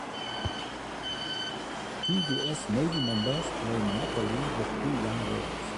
Two US Navy members play monopoly with two young girls.